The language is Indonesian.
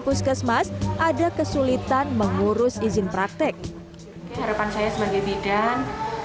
puskesmas ada kesulitan mengurus izin praktek harapan saya sebagai bidan